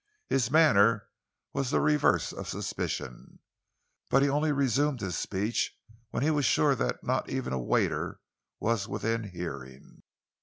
His manner was the reverse of suspicious, but he only resumed his speech when he was sure that not even a waiter was within hearing.